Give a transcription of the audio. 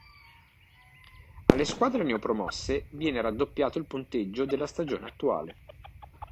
Alle squadre neopromosse viene raddoppiato il punteggio della stagione attuale.